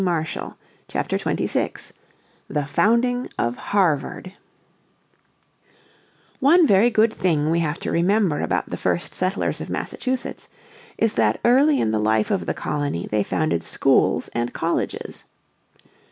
__________ Chapter 26 The Founding of Harvard One very good thing we have to remember about the first settlers of Massachusetts is that early in the life of the colony they founded schools and colleges.